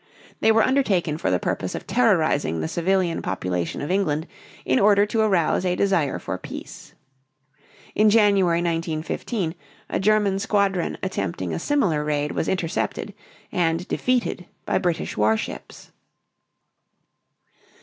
They were undertaken for the purpose of terrorizing the civilian population of England in order to arouse a desire for peace. In January, 1915, a German squadron attempting a similar raid was intercepted and defeated by British war ships.